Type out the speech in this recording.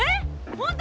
本当？